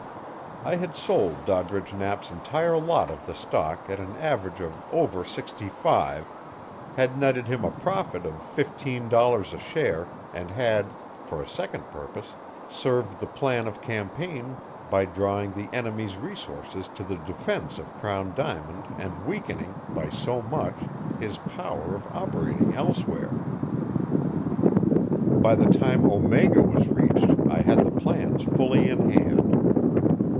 I had sold Doddridge Knapp's entire lot of the stock at an average of over sixty five, had netted him a profit of fifteen dollars a share, and had, for a second purpose, served the plan of campaign by drawing the enemy's resources to the defense of Crown Diamond and weakening, by so much, his power of operating elsewhere. By the time Omega was reached I had the plans fully in hand.